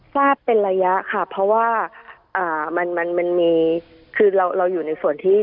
ทราบเป็นระยะค่ะเพราะว่ามันมีคือเราอยู่ในส่วนที่